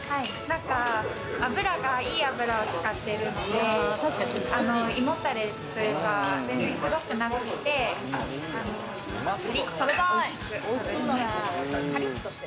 油がいい油を使っているので、胃もたれというか、全然くどくなくてカリッと美味しく食べれます。